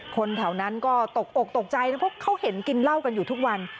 คนแถวนั้นก็ตกอกตกใจนะเพราะเขาเห็นกินเหล้ากันอยู่ทุกวัน